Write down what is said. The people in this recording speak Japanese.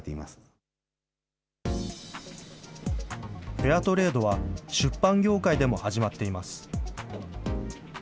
フェアトレードは、出版業界でも始まっています。